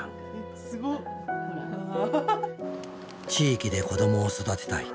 地域で子どもを育てたい。